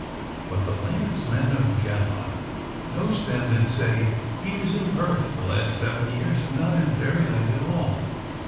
But the Laird's man, of Gala, knows them that say he was in Perth the last seven years, and not in Fairyland at all.